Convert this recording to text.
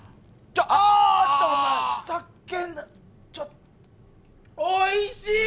ちょっおいしい！